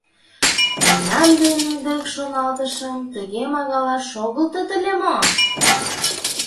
Мемнан дене дык, шоналтышым, тыге магала шогылтыт ыле мо?